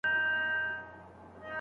له کوره وتل څه ډول شرعي حکم لري؟